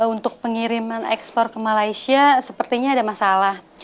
untuk pengiriman ekspor ke malaysia sepertinya ada masalah